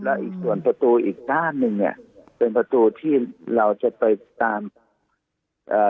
แล้วอีกส่วนประตูอีกด้านหนึ่งเนี้ยเป็นประตูที่เราจะไปตามเอ่อ